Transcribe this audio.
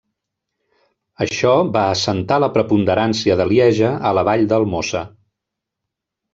Això va assentar la preponderància de Lieja a la vall del Mosa.